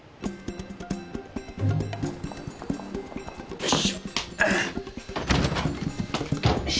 よいしょ。